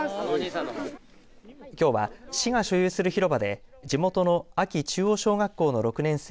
きょうは市が所有する広場で地元の安岐中央小学校の６年生